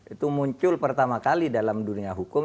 itu muncul pertama kali dalam dunia hukum